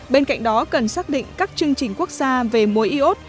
bên cạnh đó cần xác định các chương trình quốc gia về muối y ốt